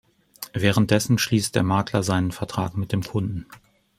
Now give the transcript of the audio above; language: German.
Währenddessen schließt der Makler seinen Vertrag mit dem Kunden.